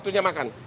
terima kasih pak